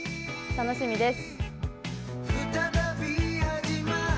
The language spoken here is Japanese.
楽しみです。